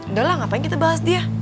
udah lah ngapain kita bahas dia